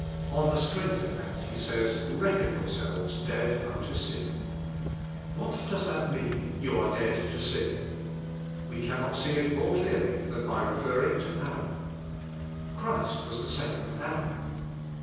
On the stiength of that he says, "Reckon your selves dead unto sin." What does that mean — You are dead to sin? We can not see it more clealy than by referring to Adam. Christ was the second Adam.